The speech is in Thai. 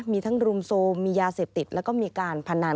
มีทั้งรุมโทรมมียาเสพติดแล้วก็มีการพนัน